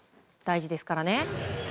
大事ですからね。